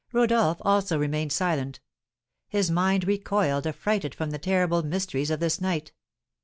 Rodolph also remained silent. His mind recoiled affrighted from the terrible mysteries of this night.